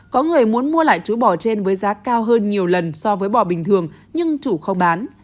có người muốn mua lại chú bò trên với giá cao hơn nhiều lần so với bò bình thường nhưng chủ không bán